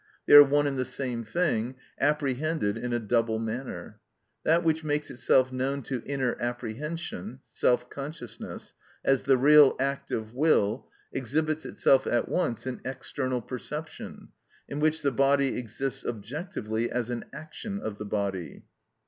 They are one and the same thing, apprehended in a double manner. That which makes itself known to inner apprehension (self consciousness) as the real act of will exhibits itself at once in external perception, in which the body exists objectively as an action of the body.